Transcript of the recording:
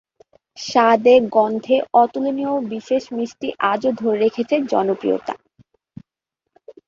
স্বাদে-গন্ধে অতুলনীয় এ বিশেষ মিষ্টি আজও ধরে রেখেছে জনপ্রিয়তা।